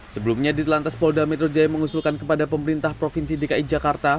sebelumnya di telantas polda metro jaya mengusulkan kepada pemerintah provinsi dki jakarta